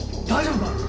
大丈夫か？